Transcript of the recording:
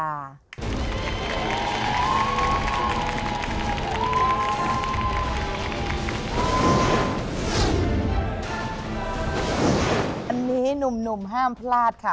อันนี้หนุ่มห้ามพลาดค่ะ